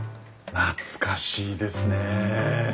懐かしいですね。